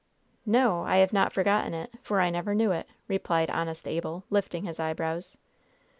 "No, I have not forgotten it, for I never knew it," replied honest Abel, lifting his eyebrows.